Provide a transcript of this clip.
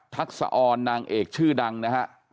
ทักษะออนนางเอกชื่อดังนะฮะ